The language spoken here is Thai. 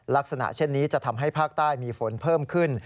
ลักษณะเช่นนี้จะทำให้ภาคใต้มีฝนเพิ่มขึ้น